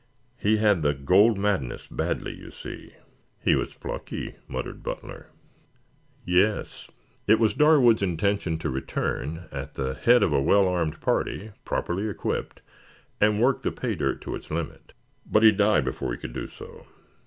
He had the gold madness badly, you see." "He was plucky," muttered Butler. "Yes. It was Darwood's intention to return, at the head of a well armed party, properly equipped, and work the pay dirt to its limit. But he died before he could do so.